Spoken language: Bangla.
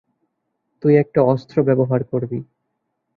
তুই একটা অস্ত্র ব্যবহার করবি।